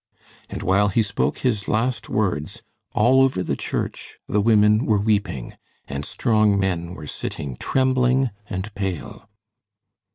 And while he spoke his last words, all over the church the women were weeping, and strong men were sitting trembling and pale.